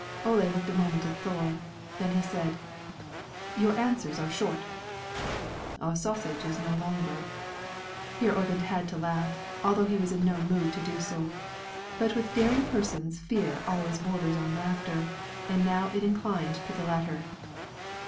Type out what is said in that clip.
Ole looked a moment at Thore, then he said, "Your answers are short." "A sausage is no longer." Here Oyvind had to laugh, although he was in no mood to do so. But with daring persons fear always borders on laughter, and now it inclined to the latter.